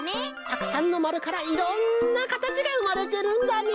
たくさんのまるからいろんなかたちがうまれてるんだね！